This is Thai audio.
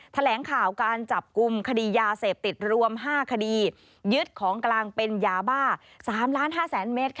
แถลงข่าวการจับกลุ่มคดียาเสพติดรวม๕คดียึดของกลางเป็นยาบ้า๓๕๐๐๐เมตร